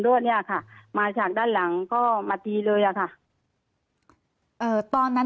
เนี้ยค่ะมาจากด้านหลังก็มาตีเลยอะค่ะเอ่อตอนนั้น